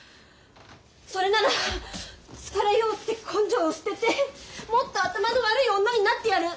それなら好かれようって根性を捨ててもっと頭の悪い女になってやる！